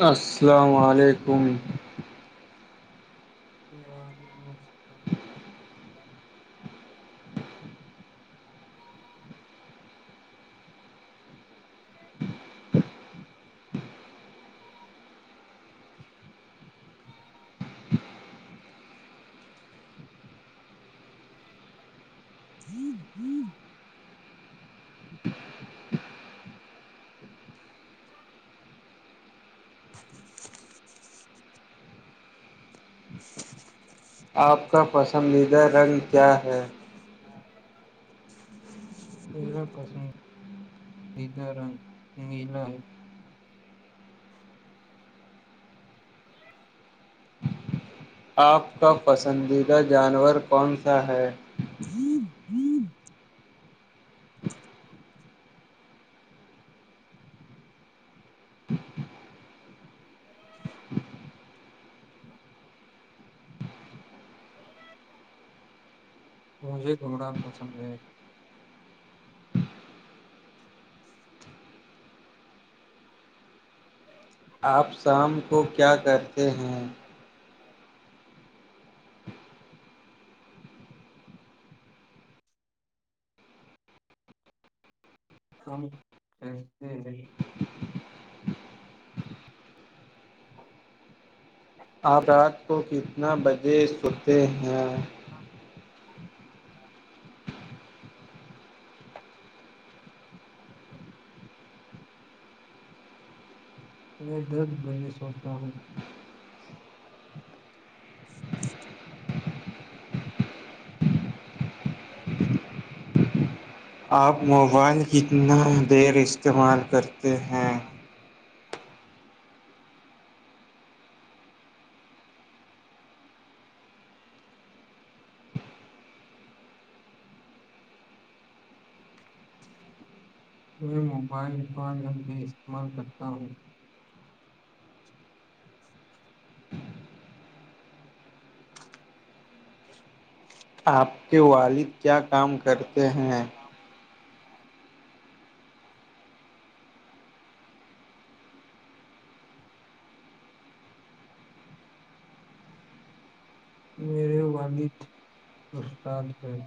السلام علیکم ہ [inaudible] ج ج [inaudible] [inaudible] [inaudible] آپ کا پسندیدہ رنگ کیا ہے میر پسند نلا رنگ نیلا ہے [inaudible] ج [inaudible] آپ کا پسندیدہ جانور کون سا ہے تھ [inaudible] ہوں [inaudible] [inaudible] [inaudible] مجھے گھوڑا پسند ہے [inaudible] آپ شام کو کیا کرتے ہیں ہاں ج ج [inaudible] آپ رات کو کتنا بجے سوتے ہیں [inaudible] ہاں ہ [inaudible] میں درد بجے سونتا ہوں [inaudible] ا [inaudible] جی [inaudible] آپ موبائل کتنا دیر استعمال کرتے ہیں میں موبائل پچ گن پہ استعمال کرتا ہوں [inaudible] [inaudible] آپ کے والد کیا کام کرتے ہیں میرے والد استاد ہیں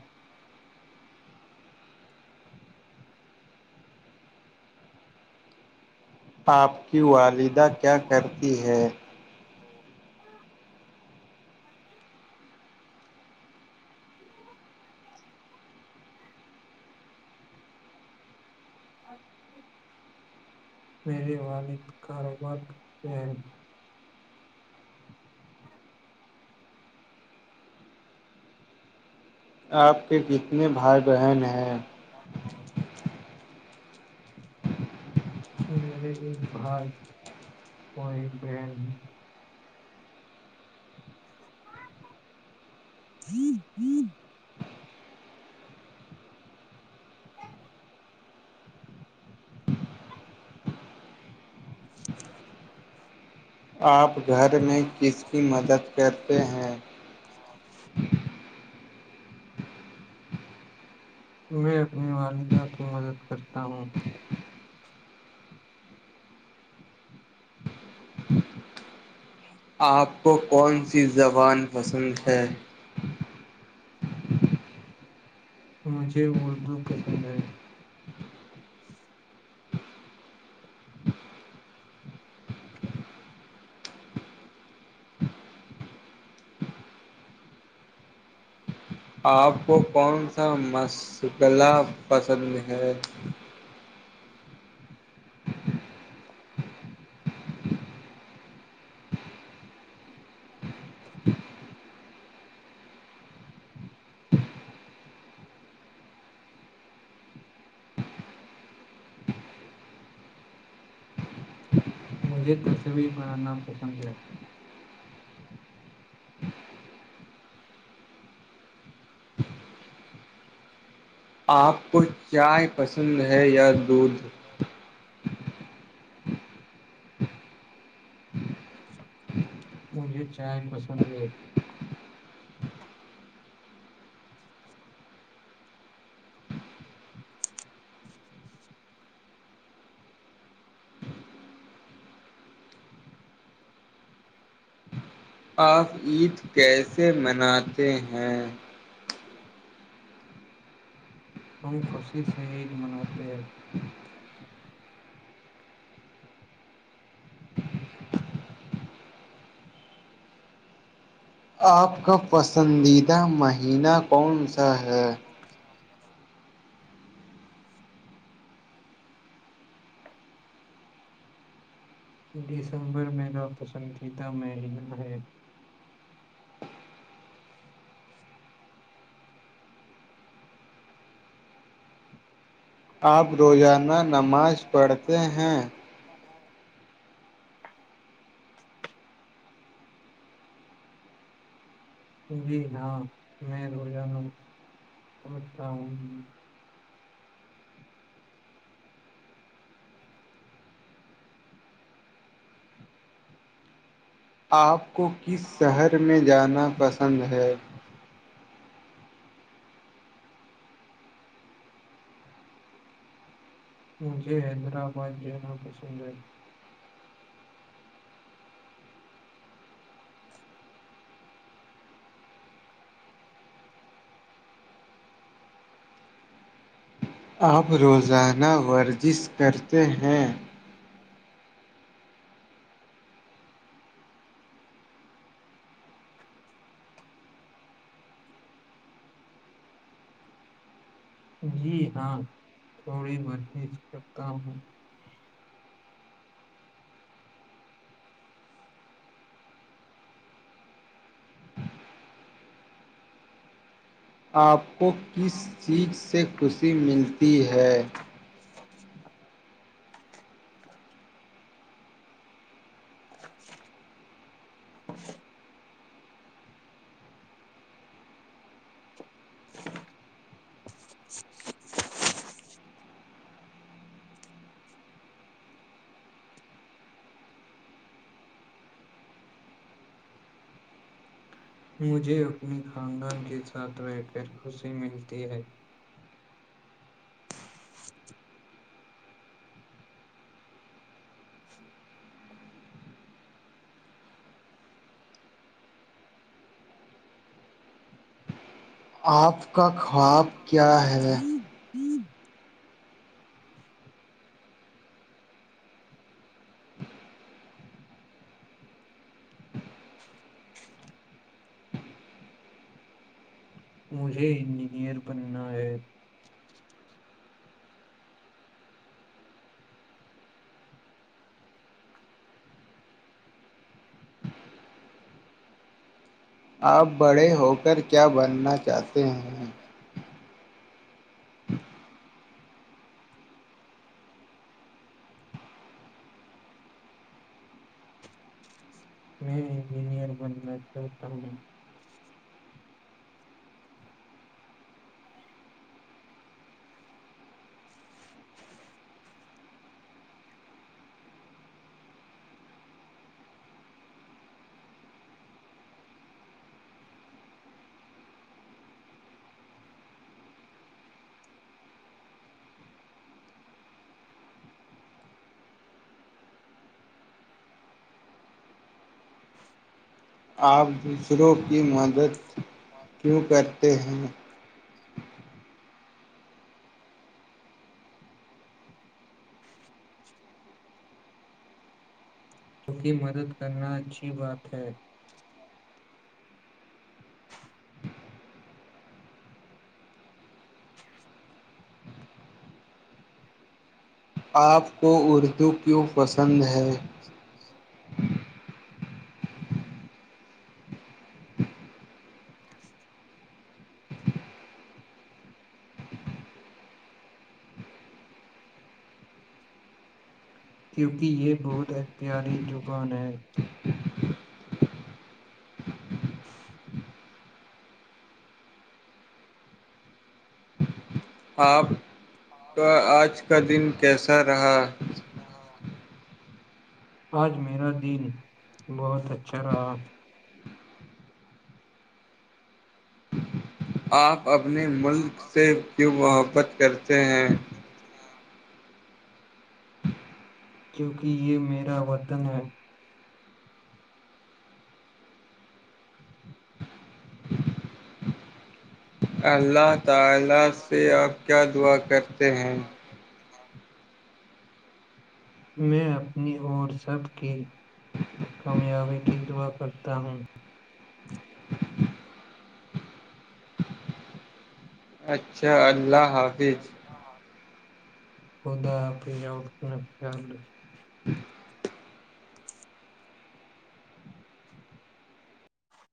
آپ کی والدہ کیا کرتی ہے میرے والد کاروبار کتے آپ کے کتنے بھائی بہن ہیں ہاں [unintelligible] میرے ایک بھائی اور ایک بہن ہے ج ج [unintelligible] [inaudible] آپ گھر میں کس کی مدد کرتے ہیں میں اپنی والدہ کی مدد کرتا ہوں آپ کو کون سی زبان پسند ہے مجھے اردو پسند ہے [inaudible] آپ کو کون سا مشغلہ پسند ہے [unintelligible] [unintelligible] مجھے تصویر بانا پسند ہے آپ کو چائے پسند ہے یا دودھ ا [inaudible] مجھے چائے پسند ہے [inaudible] آپ عید کیسے مناتے ہیں ہم خوشی سے عید مناتے ہیں آپ کا پسندیدہ مہینہ کون سا ہے [inaudible] دسمبر میرا پسندیدہ مہینہ ہے آپ روزانہ نماز پڑھتے ہیں ہ ہاں [inaudible] جی ہاں میں روزانان پچتا ہوں آپ کو کس شہر میں جانا پسند ہے مجھے حیدرآباد جانا پسند ہے آپ روزانہ ورزش کرتے ہیں جی ہاں تھوڑی مرش کرتا ہوں آپ کو کس چیز سے خوشی ملتی ہے [inaudible] [inaudible] مجھے اپنے خاندان کے ساتھ رہ کر خوشی ملتی ہے [inaudible] آپ کا خواب کیا ہے مجھے انجینئر بننا ہے آپ بڑے ہو کر کیا بننا چاہتے ہیں میں انجینئر بننا چاہتا ہوں آپ دوسروں کی مدد کیوں کرتے ہیں کیونکہ مدد کرنا اچھی بات ہے آپ کو اردو کیوں پسند ہے [inaudible] ا [inaudible] کیونکہ یہ بہت پیاری زبان ہے آپ کا آج کا دن کیسا رہا ہاں [unintelligible] آج میرا دن بہت اچھا رہا آ [unintelligible] اپنے [unintelligible] آپ سے اپنے کیوں ملک سے محبت کرتے وہاں ہیں پر کھیلتے ہیں کیوںکہ یہ میرا وطن ہے اللہ تعالی سے آپ کیا دعا کرتے ہیں ج ہاں میں اپنی اور سب کی کامیابی کی دعا کرتا ہوں اچھا اللہ حافظ خدا آ پ آٹ [unintelligible]